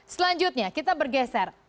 selanjutnya kita bergeser